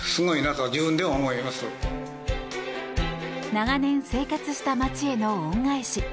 長年生活した街への恩返し。